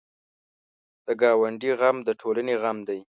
د ګاونډي غم د ټولنې غم دی